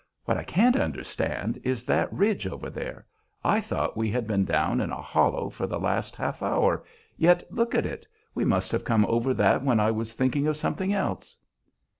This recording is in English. What I can't understand is that ridge over there. I thought we had been down in a hollow for the last half hour, yet look at it; we must have come over that when I was thinking of something else."